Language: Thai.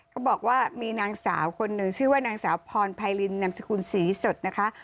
ก็บอกว่ามีนางสาวคนหนึ่งชื่อว่านางสาวพรไพรินนามสกุลศรีสดนะคะ